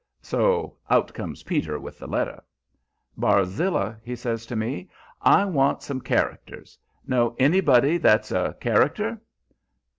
So out comes Peter with the letter. "Barzilla," he says to me, "I want some characters. Know anybody that's a character?"